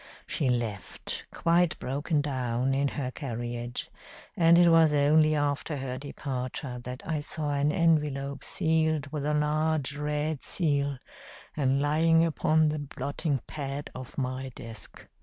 She left, quite broken down, in her carriage, and it was only after her departure that I saw an envelope sealed with a large red seal, and lying upon the blotting pad of my desk.